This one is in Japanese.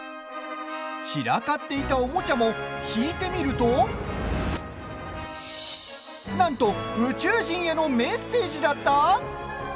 散らかっていたおもちゃも引いてみるとなんと宇宙人へのメッセージだった？